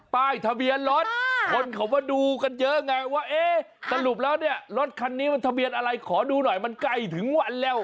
ป้ายทะเบียนรถคนเขามาดูกันเยอะไงว่าเอ๊ะสรุปแล้วเนี่ยรถคันนี้มันทะเบียนอะไรขอดูหน่อยมันใกล้ถึงวันแล้ว